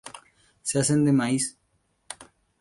Se hacen de maíz.